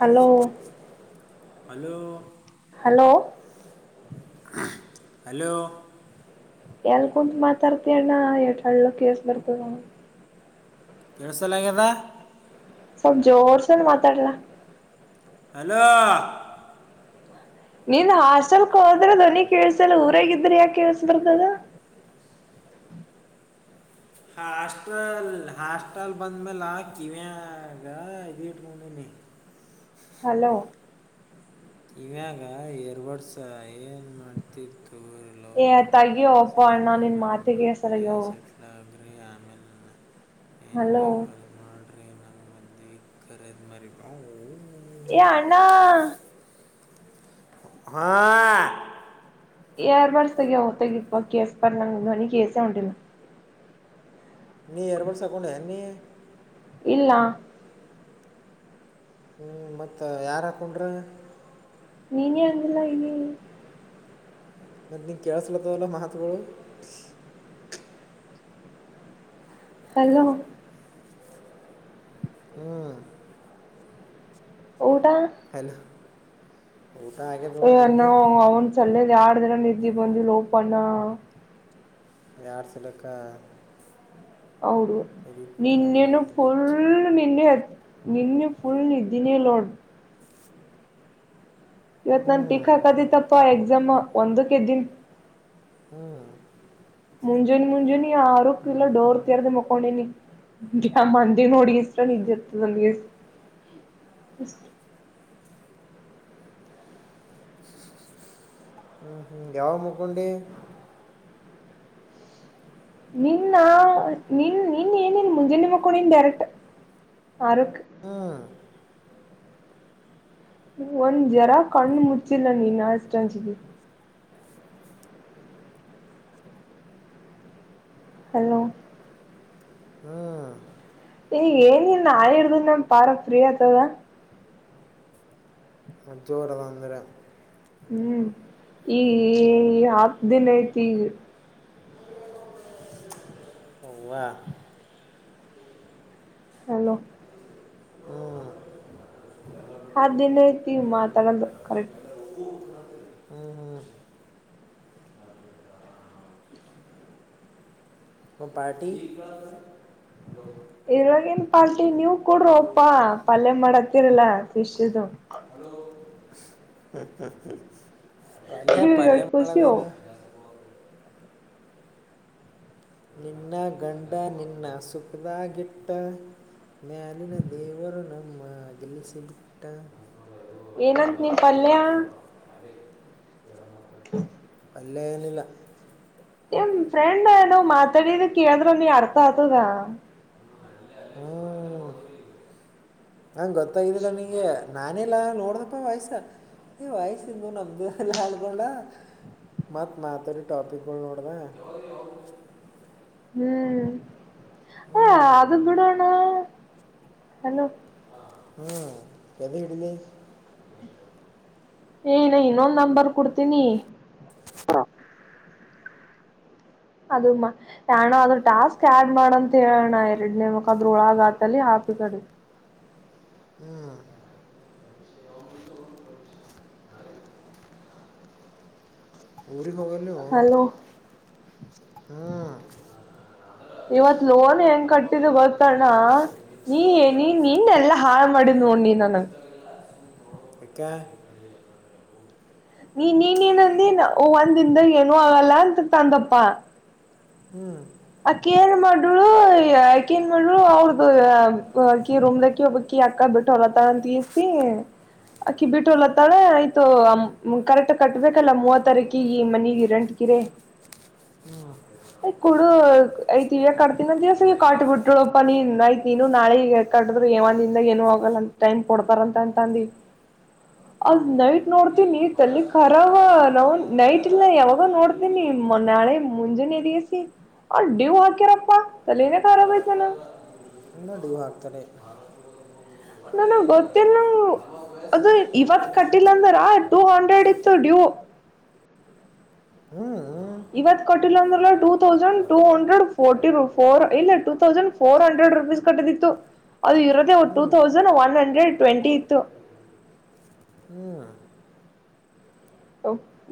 hello hello hello hello ಎಲ್ಲಿ ಕುಂತು ಮಾತಾಡ್ತಿ ಅಣ್ಣ ಎ ಹಳ್ಳು ಕೇಸ್ ಬರ್ತದ ಕೆಳಸೊಲಂಗಿದೆ ಸವಲ್ ಜೋರ್ಸು ಮಾತ್ರಾಡಲ್ಲ ಹಲೋ ನಿಂದ್ ಹಾಸ್ಟೆಲ್ಕ್ ಹೋದ್ರೆ ಧ್ನಿ ಕೇಸಲ್ಲ ಊರಾಗ ಇದ್ರ ಯಾಕ ಕೇಸಬಾರದದ [inaudible] ಹಾಸ್ಟಲ್ ಹಾಸ್ಟೆಲ್ ಬಂದ ಮೇಲ ಕಿವಿಯಗೇಡ್ ಮನ ಹಲೋ ಇವ್ಯಾಗ ಎರ್ ವಡ್ಸ ಏನ್ ಮಾಡ್ತಿತ್ತು ಲವ್ ಏ ಮಾಡಿ ತಗಿಯ ಒಪ್ಪ ಅಣ್ಣ ನಿನ್ ಸಾಯ್ಬೇಡ್ರಿ ಮಾತಿಗೆ ಹೆಸರಿಗ ೀ ಆಮೇಲೆ ಏನ್ ಹಲೋ ಬೇಪ ಮಾಡ ನಂಗ್ ಮಧ್ಯ ಕರೆದ್ ಮರಿ ಏ ಅಣ್ಣ ಹಾ ಏರ್ ಬಾಡ್ಸ್ ತ ಇ ಕೇಸ್ೋನಿ ಕೆಸ ಉಿಲ್ಲ ನೀ ಏರ್ಪಡ್ ಸಾಕೊಂಡೆ ಎ ನೀ ಇಲ್ಲಾ ಹ್ಮ್ ಮತ್ತ ಯಾರು ಹಾಕೊಂಡ್ರಿ ನೀನ್ ಅಂಗಲ್ಲ ಇ ಮತ್ತತ್ ನಿಂಗ ಕೇಳ್ಸ್ಲತ್ತವಲ್ಲ ಮಹತ್ಗಳು ಹಲೋ ಹ್ಮ್ ಊಟ ಹನು ಅ್ಣ ಅವನು ಸಲ್ಲ ಯಡುದ್ರ ನೆಜಿ ಬಂದ ಲೋಪಣಾ ಬಾರಸಲ್ಲಕ ಹೌದು ನಿನ್ನೆನು ಫುಲ್ ಎಡಿಟ್ ನಿನ್ನೆ ಅದ ನಿನ್ನೆ ಫುಲ್ ನಿಿದ್ದಿನೇ ಲೋಡ್ ಇವತ್ ಹ್ಞೂ ನಾನ್ ಟೀಕ್ ಹಾಕದತ್ತಪ್ಪಾ ಎಕ್ಸಾಮ್ ಒಂದಕ್ಕೆ ದನ್ ಹ್ಮ್ ಮುಂಜಾನೆ ಮುಂಜಾನಿ ಆರುಕ್ ಇಲ್ಲ ಡೋರ್ ಹ್ಞೂ ತರ್ದ ಮಕೊಂಡನಿ ಮಂದಿ ನೋಡಿ ಇಷ್ಟ ನಿಿದ್ದೆ ಇರ್ತದಲ್ಲಿಗೆ ಅಷ್ಟ ಹ್ಮ್ ಹ್ಮ್ ಯಾವ ಮುಕೊಂಡಿ ನಿನ್ನ ನಿನ್ ನಿನ್ ಏನನ್ ಮುಂಜಾನ ನಿಮ್ಮ ಕೊಡನ್ ಡೈರೆಕ್ಟ್ ಆರ ಹಾ ಒಂದ ಜರಾ ಕಣ್ಣು ಮುಚ್ಚಿಲ್ಲ ನೀನ್ಾಚಚ ಹಲೋ ಹ್ಞೂ ಈಗ ಏನಿನ್ ಆರ್್ದ ನಮ ಪಾರ ಪ್ರೀ ಆತದ ಅ ಜೋರದ ಅಂದ್ರೆ ಹ್ಮ್ ಈ ಹಕ್ ದಿನ ಐತಿ ಈ ಹ ಹಲೋ ಹ್ಞೂ ಹಿನ ಐತಿ ಮಾತಾಡದು ಕರೆಕ್ಟ್ ಹ್ಞೂ ಹ್ಞೂ ಮ ಪಾರ್ಟಿ ಇವಾಗಿನ್ ಪಾರ್ಟಿ ನೀವು ಕೂಡ್ರ ಅಪಾ ಪಲ್ಯ ಮಾಡತ್ತೀರಲ್ಲ ಿಶದು ಪಲ್ಲೆ ನೀವ್ ಪಲ್ಲೆ ಎಡ್ ಖುಷಿ ಮಳವೇನು ನಿನ್ನ ಗಂಡ ನಿನ್ನ ಸುಖದಾಗಿಟ್ಟ ಮ ಅಲ್ಲಿಿನ ದೇವರು ನ ಗೆಲ್ಲಿಸಿ ಬಿಟ್ಟ ಏನಂತ ನೀ ಪಲ್ಯ ಹ ಲೇನಲಾ ಏನ್ ಫ್ರೆಂಡ್ ನಾವ್ ಮಾತಾಡಿದ ಕೇಳಿದ್ರ ನೀ ಅರ್ಥ ಆತದ ಹ್ಮ ಹಂಗ ಗೊತ್ತಾಗಿದ್ದೀರ ನಿಂಗೆ ನಾನೆಲ್ಲಾ ನೋಡ್ದಪ್ಪ ವಯ್ಸ ಏ ವಯ್ಸಂದು ನಮ್ದು ಎಲ್ಲ ಹಳ್ಕೊಂಡ ಮತ್ ಮಾತರಿ ಟಾಪಿಕ್ಗಳು ನೋಡ್ದ ಹ್ಮ್ ಅ ಅದೆಂದೂಡಣ ಹಲೋ ಹ್ಮ್ ಎದ ಹಡಿಿಲ್ಲ ಏನ ಇನ್ನೊಂದ್ ನಂಬರ್ ಕೊಡ್ತೀನಿ ಹಾ ಅದು ಮಾ ಯಣ ಅ್ರ ಟಾಸ್ಕ್ ಆಡ್ ಮಾಡಂತ ಹೇಳೋಣ ಎರಡ್ನೇ ಮುಕ್ಾದ್ರರು ಒಳಗಾತಲ್ಲಿ ಕಾಿ ತಡೆ ಹ್ಞೂ ಅ ಹೋಗವನ್ನು ಹಲೋ ಅಂದ್ರೆ ಇವತ್ ಅಂದ್ರೆ ಲೋನ್ ಹೆಂಗ್ ಕನ್ಫರ್ಮ್ ಕಟ್ಟಿದ್ದ ಆಗಿಲ್ಲ ಅದು ಬೊತ್ಣ ಹೋಗೋದು ನೀ ನಿಶ್ಚಿತವಾಗಿಲ್ಲ ನೀ ನಿನ್ನ ಎಲ್ಲ ಹಾಳ ಮಾಡಡಿಿದ ನೀ ನನಗೆ ಇೆ ನೀ ನೀನನಂದ ಒ ಒಂದಿನದ ಏನ ಆಗಲ್ಲ ಅಂತ ತಂದಪ್ಪಾ ಹ್ಮ್ ಅಕ್ಕ ಏನ್ ಮಾಡಳು ಅಕ ನ್ ಮಾಡರು ಅವ್ರ್ದ ಅಕಿ ರೂಮ್್ದಕಿ ಹೋಗಬಕಿ ಯಕ್ಕ ಬಿಠೋರ ತಂತೀರ್ ಸಿ ಅಕ್ಕಿ ಬಿಟ್ಟುಲ್ಲಾಳೆ ಆಯ್ತು ಕರೆಕ್ಟ್ ಕಟ್ಬೇಕಲ್ಲ ಮೂವ ತಾರೀಕು ಈ ಮನೆ ರಂಟ ಕರ ಹ್ಮ ಐತಿವ ಕಟ್ತೀನ ದಿವವಸ ಕಾಟ್ಿ ಬದ್ರಿನಾಥ ಬಿಟ್ರುಪ್ಪ ನೀನ್ ಐತಿ ನಾಳೆಗ ಕ್ರು ಏಂತ ಏ ಟೈಮ್ ಕೊಡ್ತಾರಂತ ಅಂತ ಅ ನೈಟ್ ನೋಡ್ ಹ್ಞೂ ಈಗ ನೀ ತಲ್ಲಿ ಮಹಾರಾಷ್ಟ್ರದಾಗ ಖರಾವ ಮಹಾರಾಷ್ಟ್ರಕ್ಕೆ ನಾವು ಹೋದಂದ್ರೆ ನೈಟ್ ಇನ ಮೂರು ಯಾವಾಗ ಜೊತೆ ಮುಗಿತು ನೋಡ್ತೇನಿ ಮ ನೋಡ್ರು ನಾಳೆ ಮುಂಜಾನೆ ದಗಸ ಅಡ್ಡಡಿವು ಆಕ ರಪ್ಪಾ ತಲೆನೆ ಕಾರರ ಬತನ ಇನ್ನಡಿಗೂ ಹಾಕ್ತಾರೆ ಮೂರು ಒಟ್ಟ ನನ್ಗ್ ಈಗ ಗೊತ್ತೇಿಲ್ಲ ನಮ್ಮ ಅದು ವಯಸ್ಸಿನಷ್ಟಿಗೆ ಹೋಗಿ ಇವತ್ ಕಟ್ಟಿಲ್ಲ ಮುಗಿಸ್ಬಿಡ್ಬೇಕು ಅಂದ್ರ ಎಲ್ಲ ಟೂ ಜೊತೆ ಹಂಡ್ರೆಡ್ ಇತ್ತು ಡ್ಯೂ ಹ್ಞೂ ಇವತ್ ಕಟ್ಟಿಲ್ಲ ಅಂದ್ರ two thousand two hundred forty four ಇಲ್ಲ two thousand four hundred rupees ಕಟ್ಟದಿತ್ತು ಅದು ಇರದೇ ಹ್ಞೂ ಹ್ಞೂ two thousand one hundred twenty ಇತ್ತು ಹ್ಮ್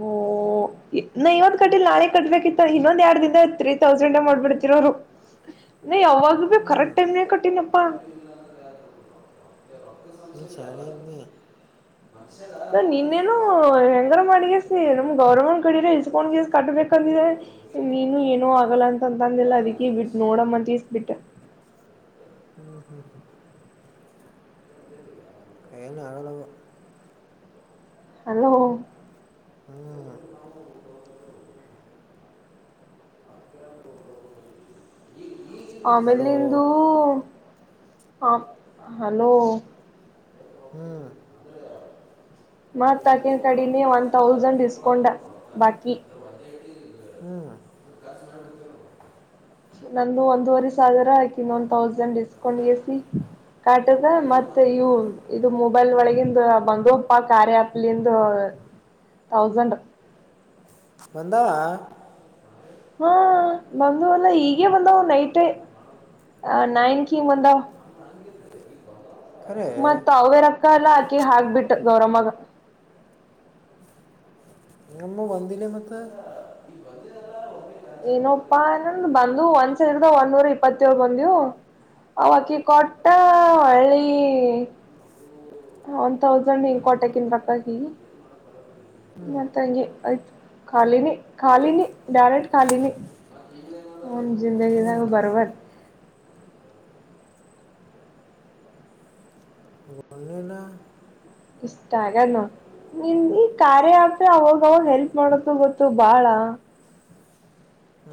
ಓ ನ ಇವಂದ್ ಕಟ್ಟಿಲ್ಲ ನಾಳೆ ಕಟ್ಬೇಕಿತ್ತ ಇನ್ನೊಂದ್ ಎರಡ್ ದಿನ ತ್ರೀ ತೌಸಂಡ್ ಮಾಡ್ಬಿಡ್ತಿರೋರು ನೀ ಯಾವಾಗ ಭ ಹ್ಞೂ ಕರೆಕ್ಟ್ ಟೈಮ್ನ ಕಟ್ಟಿನಪ್ಪಾ ನೀ ಚನನ್ನ ಅ ನಿನ್ನೇನು ಮಾಡ ನಮ್ ಗೌರವ ಕಡ ಇಲ್ಸ್ಕೊಂಡ್ ಜೀ ಕಟ್ಬೇಕಂದಿದೆ ಇವತ್ತು ಹಿಂಗೆ ನೀನು ಮತ್ತೆ ಯಾರು ಏನು ಆಗಲ್ಲ ಅಂತ ಅಂತ ಅಂದಿಲ್ಲ ಹೋದ್ರೆ ಅದಿ ಬಿಟ್ಟ ನೋಡಮ್ಮಂತ ಇಸ್ ಬಿಟ್ಟ ಹ್ಮ್ ಲ್ಲ ಆಳಳ ಹಲೋ ಹ್ಞೂ ನಾವು ಅಕ್ಕಿರಾಂದ್ರೆ ಈಗ ಈಗಿನ ಹಲೋ ಆಮೇಲಿಂದು ಆ ಹಲೋ ಹ್ಮ್ ಮತ್ ತಾಕಿನ ಕಡಿನೆ ಒನ್ ಇದ್ದಾಗ ತೌಸಂಡ್ ಡಿಸ್ಕೌೊಂಡ ಕೈಕೊಳ್ಳೋದಿಲ್ಲ ನಾವು ರೊಕ್ಕ ಬಾಕಿ ಅಂದ್ರೆ ಒಂದೇ ಇಟ್ಟು ಹ್ಞೂ ಖರ್ಚು ಮಾಡಿಬಿಡ್ತೇವೆ ನಾವು ನಂದು ಒಂದುವರೆ ಸಾವರ ಆಾಕ ಹಾಂ ಇನ್ನೊಂದ್ ಒಂದೇ ತೌಸಂಡ್ ಇಟ್ಟು ಡಿಸ್ಕೌಂಟ್ ಖರ್ಚು ಸಿ ಕಾಟದ ಉಳಿಯಲ್ಲ ನಾವು ಮತ್ತೆ ಇವು ಇದು ಮೊಬೈಲ್ ಒಳಗಂದು ಬಂದಪ್ಪ ಕಾರ್ಯ್ಯಾಪ್ಲಿಂದು ತೌಸಂಡಂಡ್ ಬಂದ ಹಾ ಬಂದ ಅಲ್ಲ ಈಗೇ ಬಂದವ ನೈಟೇ ಮಾಡೋದು ಆ ನೈನ್ ಕಿ ಒಂದ ಖರೆ ಮತ್ತ್ ಅವೆ ರಕ್ಕ ಎಲ್ಲ ಆಕಿ ಹಾಕ್ಬಿಟ್ಟು ಗೌರಮ್ಮಗ ನಮ್ಮ ಬಂದಿಲ್ಲ ಮತ್ತ ಏನಪ್ಪಾ ಇನಂದ್ ಬಂದು ಒಂದ್ಸರ್ದ ಒಂದ್ ನೂರ ಇಪ್ಪತ್ತಏಳ್ ಬಂದವು ಅವ ಬಕಿ ಕೊಟ್ಟಾ ಒಳ್ಳಳ್ಳಿ ಒಂದ್ ತೌಸಂಡ್ ಹಂಗ ಕೋಟೆಗಿನ್ ಬಕ್ಕಾಗಿ ಹ್ಞೂ ಮತ್ತಂಗಿ ಆಯ್ತು ಖಾಲಿನಿ ಖಾಲಿನಿ ಡರೆಕ್ಟ್ ಖಾಲಿನಿ ಹ ಜಿಂದಗಿ ಸ ಬರಬರ್ ಗೊಣ್ಣಿಲ್ಲ ಇಷ್ಟಾಗನ್ನ ನಿಮ ಈ ಕಾರ್ಯ ಆತ್ರೆ ಅವಾಗ ಅವಾಗ ಹೆಲ್ಪ್ ಮಾಡದು ಗೊತ್ತು ಬಾಳ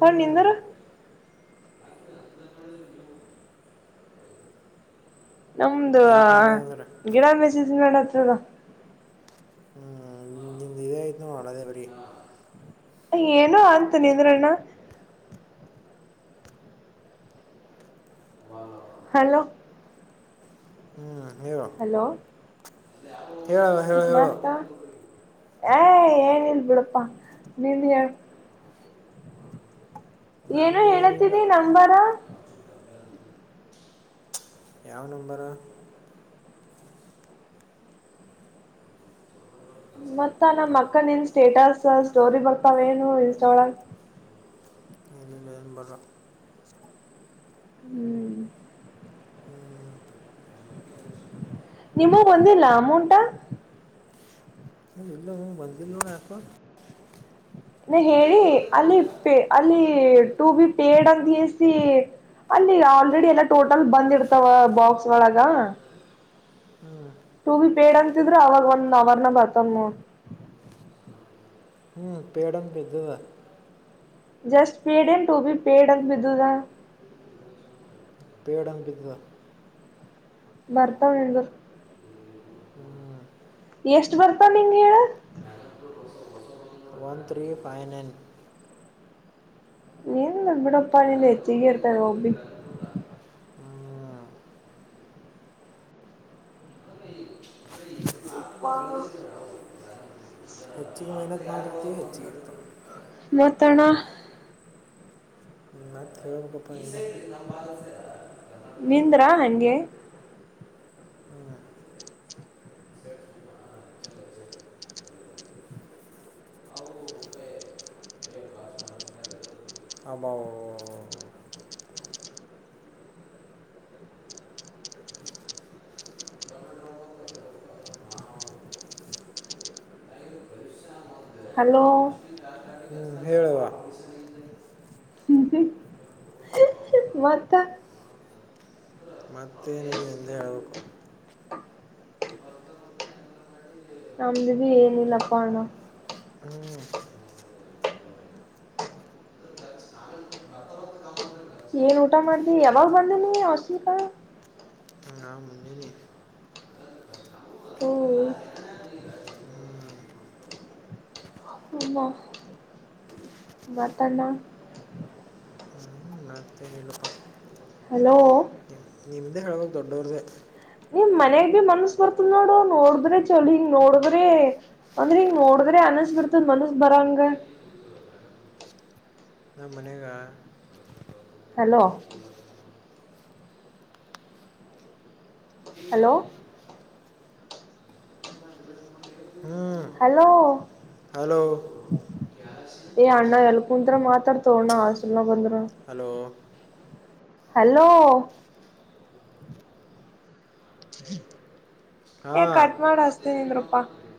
ತ್ಣ ನಿಂದರು ನಮ್ದು ಹೆಲ್ಪ್ ಮಾಡ್ಯಾರ ಗಿಡ ಮೆಸಜ್ ಮಾಡೇಡತ್ರದ ಇದಯನ ಮಾಡಣದೇವರಿ ಏನು ಅಂತ ನಿಂದ್ರಣ್ಣ ಹಲೋ ಹ್ಞೂ ಹಲೋ ಹೇಳ ಹೇಳೋ ಹೇಳೋ ಹೇ ಏನಿಲ್ಲ ಬಿಡಪಾ ನಿನ್ನೆ ಹೇಳ ಏನೋ ನಮ್ದು ಏನಿಲ್ಲ ಹೇಳತದಿ ನಂಬರಾ ಯಾವ ನಂಬರ ಮತ್ತ ನಮ್ಮ ಅಕ್ಕನ್ನ್ ಸ್ಟೇಟಸ್ ಸ್ಟೋರಿ ಬರ್ತಾವೇನು ಇನ್ಸ್ಟಳಗ ಇಲ್ಲ ಏನು ಬರ ಹ್ಮ್ ಹ್ಞೂ ನಿಮೂವ ಬಂದಿಲ್ಲ ಅಮೌಂಟ [inaudible] ನೀವ ಹೇಳಿ ಅಲ್ಲಿ ಪೆ ಅಲ್ಲಿ ಟು ಬಿ ಪೇಡ್ ಅಂತಸಿ ಅಲ್ಲಿ ಆಲ್ರೆಡಿ ಎಲ್ಲ ಟೋಟಲ್ ಬಂದ್ರ್ತಾವ ಬಾಕ್ಸ್ ಒಳಗ ಹ್ಞೂ ಟು ಬಿ ಪೇಡ್ ಅಂತಿದ್ರ ಅವಾಗ ಒಂದ್ ಅವರ್ನಗ ಬರ್ತವನೋಡ ಹ್ಞ ಪೇಡಂತ ಬಿದದ ಜಸ್ ಪೇಡೇನ ಟು ಬಿ ಪೇಡಾ ಅಂತ ಬಿದುದಾ ಪೇಡಂತ ಬಿದ್ದದ ಭರ್ತಾವ ನಿಂದರ ಹ್ಞೂ ಎಷ್ಟ ಬರ್ತವಾ ನಿನಗ ಹೇಳ ಒನ್ ತ್ರೀ ಫೈವ್ ನೈನ್ ನಿಂದ ಬಿಡಪಾ ನಿಂದು ಹ್ಞೂ ಹೇಚ್ಚಿಗೆ ಇರ್ತಾವ ಎವಾಗ ಬಿ ಇಪ್ಪಾ ಹೆಚ್ಚಿಗೆ ಮೈನತ ಮಾಡರತಿವಿ ಹೆಚ್ಚಗಿರತವ ಮತ್ತಣ ಮತ್ತ ಹೇಳಬೇಕಪಾ ನೀವೆ ನಿಂದ್ರಾ ಹಂಗೆ ಹ್ಮ್ ಅಬ್ಬಾಬ್ಬವ ಹಲೋ ಹ್ಮ್, ಹೇಳುವ ಹ್ಮ ಮತ್ತ ಮತ್ತೆೇನಿಲ್ಲ ನಿಂದೇ ಹೇಳ್ಬೇಕು ನಮ್ದ ಬಿ ಏನಿಲ್ಲಪ್ಪಣ ಹೇಳಬೇಕು ಹ್ಞೂ ಏನ್ ಊಟ ಮಾಡ್ದಿ ಯಾವಾಗ ಬಂದನಿ ಹಾಸ್ಟೆಲಕಾ ನಾ ಮುಂದಿನಿ ಹ್ಮ ಅಮ್ಮ ಮತ್ತಣ್ಣ ಮತ್ತೆನಿಲ್ಲಪ್ಪ ಹಲೋ ನಿಮ್ದೆ ಹೇಳಬೇಕ್ ದೊಡ್ಡವ್ರ್ದೇ ಮನ್ಯಗ್ ಭಿ ಮನಸ್ಸ ಬರ್ತದ ನೋಡು ನೋಡದ್ರೆ ಚಲ ಹಿಂಗ ನೋಡಿದ್ರೆ ಅಂದ್ರ ಹಿಂಗ ನೋಡಿದ್ರೆ ಅನಸ್ ಬಿಡ್ತದ ಮನಸ್ಸ ಬರಂಗ ನ ಮನ್ಯಗ ಹಲೋ ಹಲೋ ಹ್ಞೂ ಹಲೋ ಹಲೋ ಏ ಅಣ್ಣ ಎಲಕಂತರ ಮಾತ್ರಡ್ ತೋಣ ಹಾಸ್ಟೆಲನಾಗ ಬಂದರನು ಹಲೋ ಹಲೋ ಏ ಕಟ್ ಮಾಡ ಹಚ್ಚತಿನಿಂದ್ರಪಾ ಹಾಂ